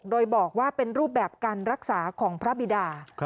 โดยบอกว่าเป็นรูปแบบการรักษาของพระบิดา